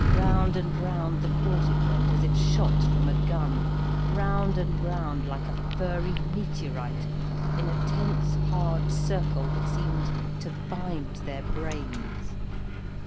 Round and round the court it went, as if shot from a gun, round and round like a furry meteorite, in a tense hard circle that seemed to bind their brains.